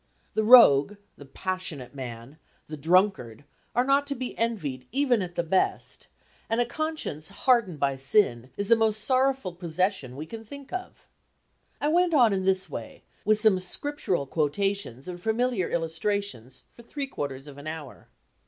The rogue, the passionate man, the drunkard, are not to be envied even at the best, and a conscience hardened by sin is the most sorrowful possession we can think of. I went on in this way, with some scriptural quotations and familiar illustrations, for three quarters of an hour.